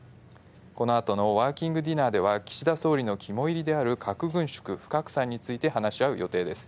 このあとのワーキングディナーでは、岸田総理の肝煎りである核軍縮・不拡散について話し合う予定です。